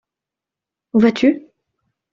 Où vas-tu ?